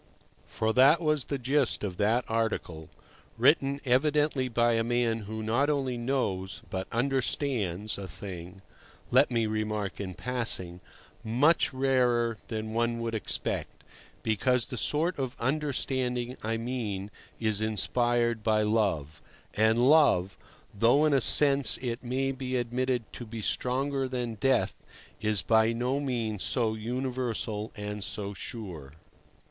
For that was the gist of that article, written evidently by a man who not only knows but understands—a thing (let me remark in passing) much rarer than one would expect, because the sort of understanding I mean is inspired by love; and love, though in a sense it may be admitted to be stronger than death, is by no means so universal and so sure.